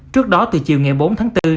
trước đó từ chiều ngày bốn tháng bốn